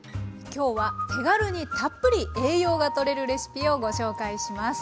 今日は手軽にたっぷり栄養がとれるレシピをご紹介します。